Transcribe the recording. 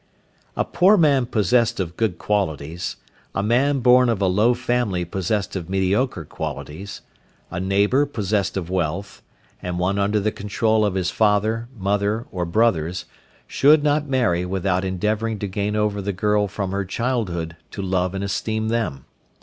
A poor man possessed of good qualities, a man born of a low family possessed of mediocre qualities, a neighbour possessed of wealth, and one under the control of his father, mother or brothers, should not marry without endeavouring to gain over the girl from her childhood to love and esteem them.